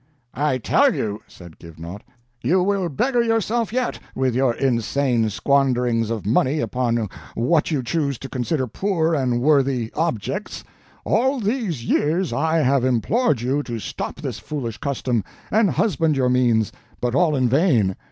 "I tell you," said Givenaught, "you will beggar yourself yet with your insane squanderings of money upon what you choose to consider poor and worthy objects. All these years I have implored you to stop this foolish custom and husband your means, but all in vain.